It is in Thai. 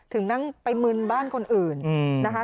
นั่งไปมึนบ้านคนอื่นนะคะ